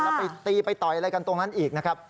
แล้วไปตีไปต่อยอะไรกันตรงนั้นอีกนะครับ